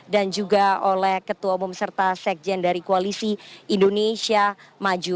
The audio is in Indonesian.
dan juga oleh ketua umum serta sekjen dari koalisi indonesia maju